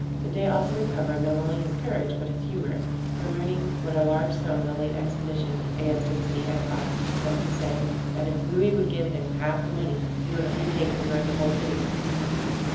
The Dey also recovered, not only his courage, but his humor; for learning what a large sum the late expedition against his city had cost, he sent to say, "that if Louis would give him half the money, he would undertake to burn the whole city to please him."